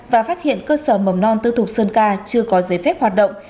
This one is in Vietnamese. và phát hiện cơ sở mầm non tư thục sơn ca chưa có giấy phép hoạt động